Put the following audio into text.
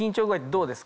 どうですか？